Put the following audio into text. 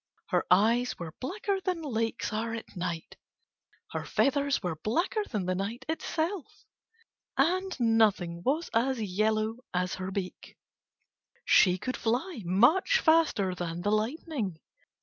Her eyes were blacker than lakes are at night, her feathers were blacker than the night itself, and nothing was as yellow as her beak; she could fly much faster than the lightning.